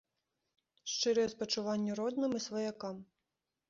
Шчырыя спачуванні родным і сваякам.